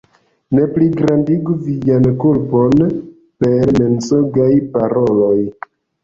Ne pligrandigu vian kulpon per mensogaj paroloj!